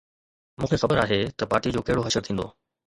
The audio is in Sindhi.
مون کي خبر آهي ته پارٽيءَ جو ڪهڙو حشر ٿيندو